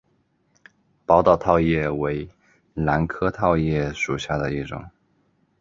宝岛套叶兰为兰科套叶兰属下的一个种。